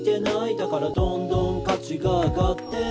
「だからどんどん価値が上がって」